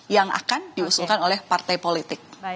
yang akan diusulkan oleh partai politik